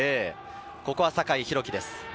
ここは酒井宏樹です。